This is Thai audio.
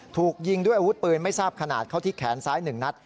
ถูกยิงด้วยอาวุธปืนไม่ทราบขนาดเข้าที่แขนซ้าย๑นัด